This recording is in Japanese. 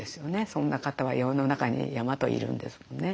そんな方は世の中に山といるんですもんね。